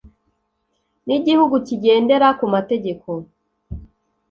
n’igihugu kigendera ku mategeko